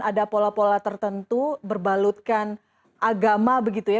ada pola pola tertentu berbalutkan agama begitu ya